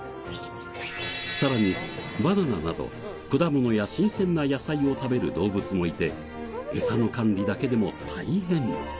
さらにバナナなど果物や新鮮な野菜を食べる動物もいてエサの管理だけでも大変。